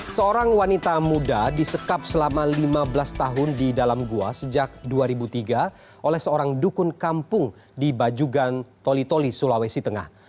seorang wanita muda disekap selama lima belas tahun di dalam gua sejak dua ribu tiga oleh seorang dukun kampung di bajugan toli toli sulawesi tengah